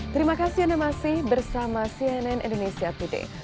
terima kasih animasi bersama cnn indonesia today